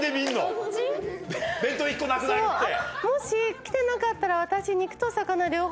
もし来てなかったら私。